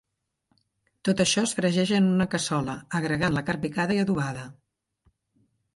Tot això es fregeix en una cassola agregant la carn picada i adobada.